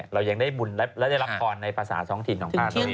เรายังได้บุญและได้รับฟรรณในภาษาสองถิ่นของพลังตัวเอง